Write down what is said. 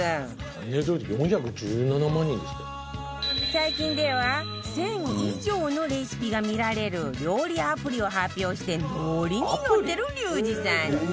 最近では１０００以上のレシピが見られる料理アプリを発表してノリにノッてるリュウジさんに